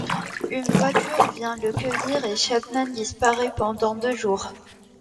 Une voiture vient le cueillir et Chapman disparaît pendant deux jours.